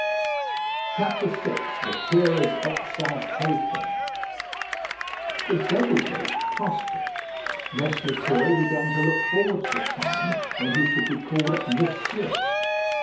VI LETHIERRY'S EXALTATION The "Devil Boat" prospered. Mess Lethierry began to look forward to the time when he should be called "Monsieur."